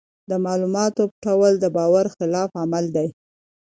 د معلوماتو پټول د باور خلاف عمل دی.